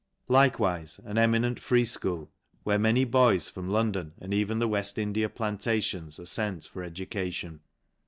Like wife an eminent free fchool, where many boys from London, and even the Weft India plantations, are fent for education..